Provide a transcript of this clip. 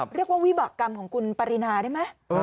เรียกว่าวิบากรรมของคุณปรินาได้ไหม